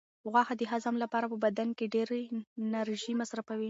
غوښه د هضم لپاره په بدن کې ډېره انرژي مصرفوي.